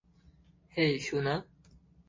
হেই, সোনা।